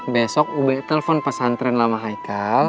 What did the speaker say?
besok ube telepon pesantren lama haika